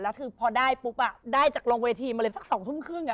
แล้วคือพอได้ปุ๊บได้จากลงเวทีมาเลยสัก๒ทุ่มครึ่ง